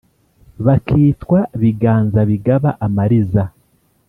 bakitwa « biganza bigaba amariza »